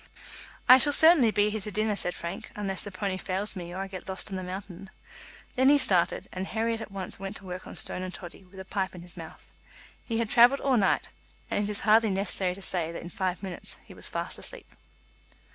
"I shall certainly be here to dinner," said Frank, "unless the pony fails me or I get lost on the mountain." Then he started, and Herriot at once went to work on Stone and Toddy, with a pipe in his mouth. He had travelled all night, and it is hardly necessary to say that in five minutes he was fast asleep.